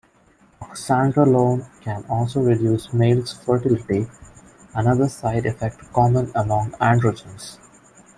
Oxandrolone can also reduce males' fertility, another side effect common among androgens.